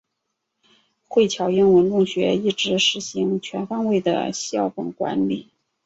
惠侨英文中学一直实行全方位的校本管理。